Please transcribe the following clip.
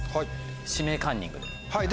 「指名カンニング」で。